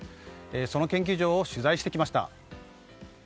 その研究所を取材してきました。